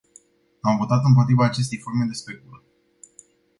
Am votat împotriva acestei forme de speculă.